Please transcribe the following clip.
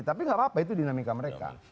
tapi nggak apa apa itu dinamika mereka